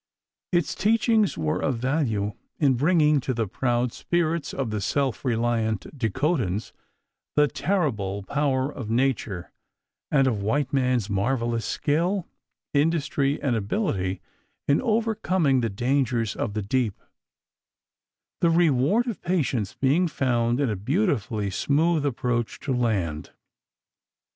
Its teachings were of value in bringing to the proud spirits of the self reliant Dakotans the terrible power of nature, and of white man's marvelous skill, industry, and ability in overcoming the dangers of the deep; the reward of patience being found in a beautifully smooth approach to land.